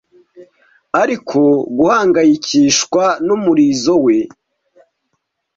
ariko guhangayikishwa n'umurizo we